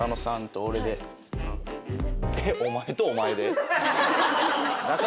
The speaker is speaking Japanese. えっお前とお前で？